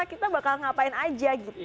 kita bakal ngapain aja gitu